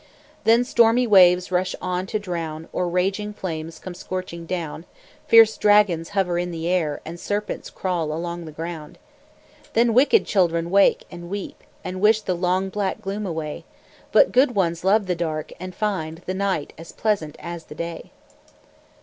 Then stormy waves rush on to drown, Or raging flames come scorching round, Fierce dragons hover in the air, And serpents crawl along the ground. Then wicked children wake and weep, And wish the long black gloom away; But good ones love the dark, and find The night as pleasant as the day.